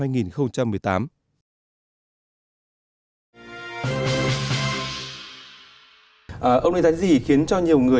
ông nguyễn gián dì khiến cho nhiều người